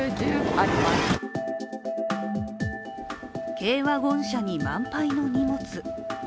軽ワゴン車に満杯の荷物。